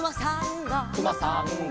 「くまさんが」